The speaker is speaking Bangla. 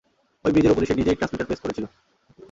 ওই ব্রিজের উপরে সে নিজেই ট্রান্সমিটার প্রেস করেছিল।